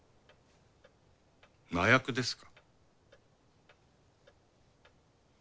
麻薬ですか。